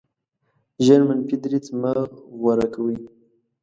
ژر منفي دریځ مه غوره کوئ.